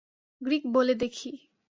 Greek বলে দেখি।